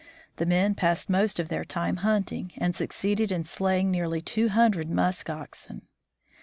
The men passed most of their time hunting, and succeeded in slaying nearly two hundred musk oxen.